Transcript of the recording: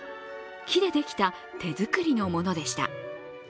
木でできた手作りのものでした。